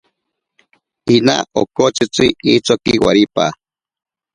Ina okotsitzi itsoki waripa.